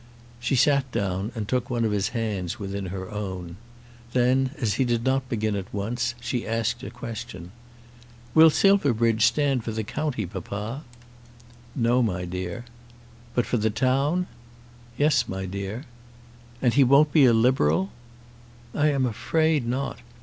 She sat down and took one of his hands within her own. Then, as he did not begin at once, she asked a question. "Will Silverbridge stand for the county, papa?" "No, my dear." "But for the town?" "Yes, my dear." "And he won't be a Liberal?" "I am afraid not.